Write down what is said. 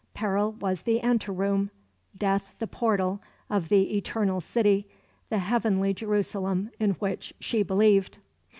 Peril was the anteroom, death the portal, of the eternal city the heavenly Jerusalem in which she believed.